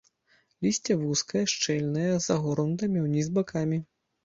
Лісце вузкае, шчыльнае, з загорнутымі ўніз бакамі.